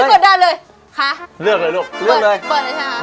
อุ๊ยกดได้เลยค่ะเลือกเลยลูกเปิดเลยค่ะ